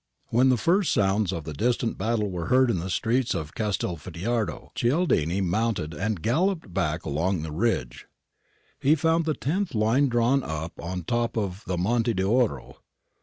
When the first sounds of the distant battle were heard in the streets of Castelfidardo, Cialdini mounted and galloped back along the ridge. He found the Tenth Line drawn up on the top of the Monte d'Oro.